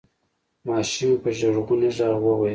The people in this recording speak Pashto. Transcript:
ماشومې په ژړغوني غږ وویل: